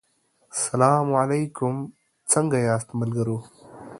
سلا علیکم څنګه یاست ملګرو